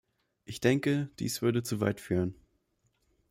Ich denke, dies würde zu weit führen.